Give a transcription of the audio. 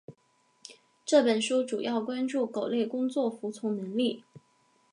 这本书主要关注狗类工作服从能力。